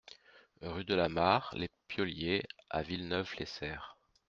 Rue de la Mare Les Pioliers à Villeneuve-les-Cerfs